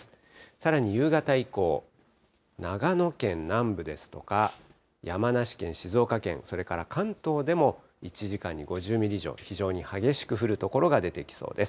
さらに夕方以降、長野県南部ですとか、山梨県、静岡県、それから関東でも、１時間に５０ミリ以上、非常に激しく降る所が出てきそうです。